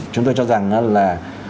chúng tôi cho rằng là